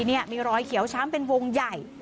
นี่มีรอยเขียวช้ำเป็นวงใหญ่